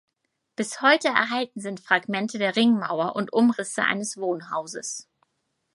Bis heute erhalten sind Fragmente der Ringmauer und Umrisse eines Wohnhauses.